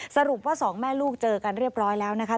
สรุปว่าสองแม่ลูกเจอกันเรียบร้อยแล้วนะคะ